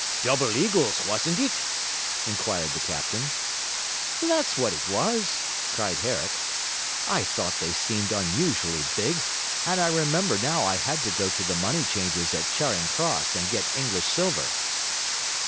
'Double eagles, wasn't iff inquired the captain. 'That was what it was!' cried Herrick. 'I thought they seemed unusually big, and I remember now I had to go to the money changers at Charing Cross and get English silver.'